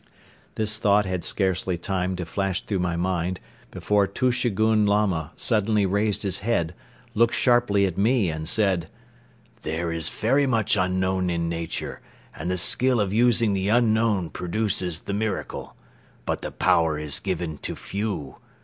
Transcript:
This thought had scarcely time to flash through my mind before Tushegoun Lama suddenly raised his head, looked sharply at me and said: "There is very much unknown in Nature and the skill of using the unknown produces the miracle; but the power is given to few.